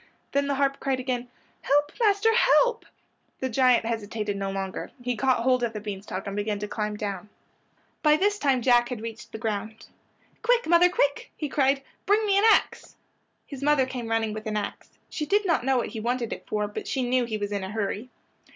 Then the harp cried again, "Help, master, help!" The giant hesitated no longer. He caught hold of the bean stalk and began to climb down. By this time Jack had reached the ground. "Quick! quick, mother!" he cried. "Bring me an ax." His mother came running with an ax. She did not know what he wanted it for, but she knew he was in a hurry.